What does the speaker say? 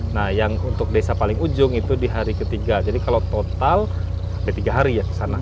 nah yang untuk desa paling ujung itu di hari ketiga jadi kalau total ada tiga hari ya kesana